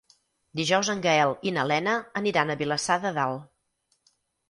Dijous en Gaël i na Lena aniran a Vilassar de Dalt.